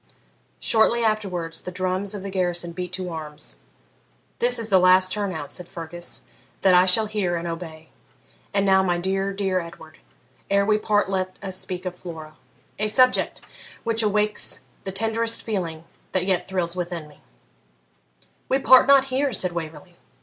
Shortly afterwards the drums of the garrison beat to arms. 'This is the last turn out,' said Fergus, 'that I shall hear and obey. And now, my dear, dear Edward, ere we part let us speak of Flora a subject which awakes the tenderest feeling that yet thrills within me' 'We part not here!' said Waverley.